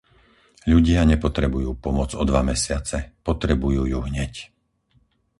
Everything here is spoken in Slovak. Ľudia nepotrebujú pomoc o dva mesiace; potrebujú ju hneď.